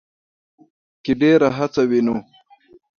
کې ډېره هڅه وينو